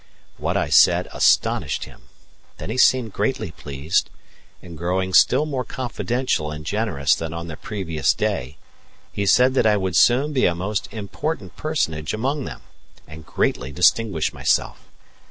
What I said astonished him; then he seemed greatly pleased, and, growing still more confidential and generous than on the previous day, he said that I would soon be a most important personage among them, and greatly distinguish myself.